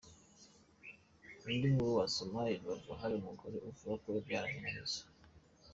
Indi nkuru wasoma : I Rubavu hari umugore uvuga ko yabyaranye na Nizzo.